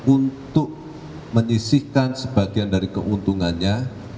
untuk menyisihkan sebagian dari keuntungannya